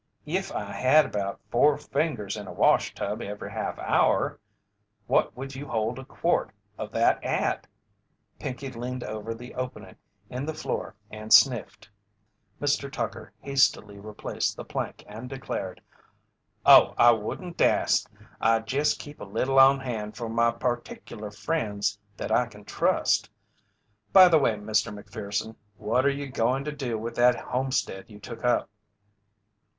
"If I had about 'four fingers' in a wash tub every half hour What would you hold a quart of that at?" Pinkey leaned over the opening in the floor and sniffed. Mr. Tucker hastily replaced the plank and declared: "Oh, I wouldn't dast! I jest keep a little on hand for my particular friends that I can trust. By the way, Mr. Macpherson, what are you goin' to do with that homestead you took up?"